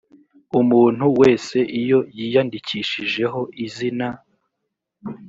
umuntu wese iyo yiyandikishijeho izina